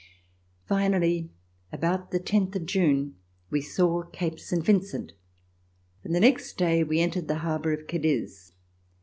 Finally about the tenth of June, we saw Cape Saint Vincent and the next day we entered the harbor of Cadiz.